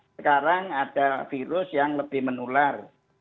sekarang ada virus yang lebih menular